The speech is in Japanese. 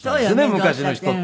昔の人ってね。